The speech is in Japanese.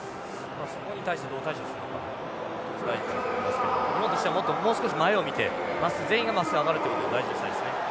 そこに対してどう対処するのか一つ大事になってくると思いますけども日本としてはもう少し前を見て全員がまっすぐ上がるということを大事にしたいですね。